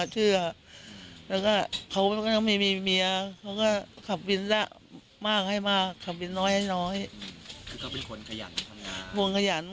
คือเขาเป็นคนขยันทำงาน